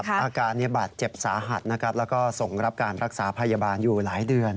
อาการบาดเจ็บสาหัสนะครับแล้วก็ส่งรับการรักษาพยาบาลอยู่หลายเดือน